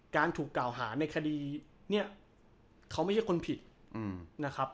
การถูกกล่าวหาในคดีเนี่ยเขาไม่ใช่คนผิดนะครับ